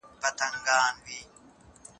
نهه جمع څلور؛ ديارلس کېږي.